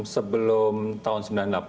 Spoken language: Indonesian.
sebelum tahun sembilan puluh delapan